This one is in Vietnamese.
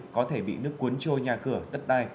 có thể bị nước cuốn trôi nhà cửa đất đai